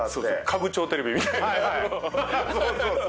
家具調テレビみたいな。